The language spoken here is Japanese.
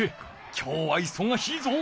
今日はいそがしいぞ。